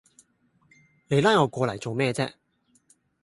你拉我過嚟做咩嘢啫